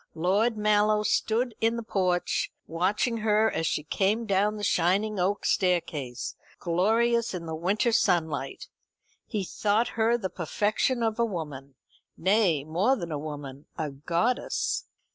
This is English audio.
Lord Mallow stood in the porch, watching her as she came down the shining oak staircase, glorious in the winter sunlight. He thought her the perfection of a woman nay, more than a woman, a goddess.